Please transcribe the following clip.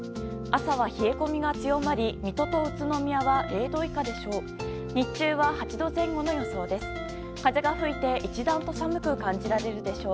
朝は冷え込みが強まり水戸と宇都宮は０度以下でしょう。